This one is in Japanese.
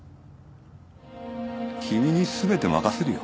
君に全て任せるよ。